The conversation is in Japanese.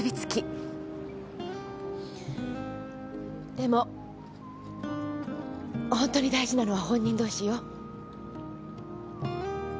でもホントに大事なのは本人同士よ。